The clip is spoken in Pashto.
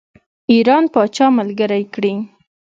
ایران پاچا ملګری کړي.